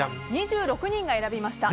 ２６人が選びました。